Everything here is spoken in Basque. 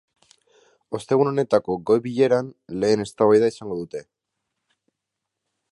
Ostegun honetako goi-bileran lehen eztabaida izango dute.